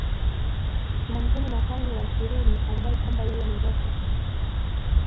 Mwanzoni mwa karne ya ishirini alidai kwamba yeye ni roho